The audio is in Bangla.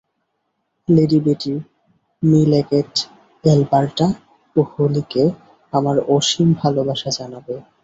লেডি বেটি, মি লেগেট, এলবার্টা ও হলিকে আমার অসীম ভালবাসা জানাবে।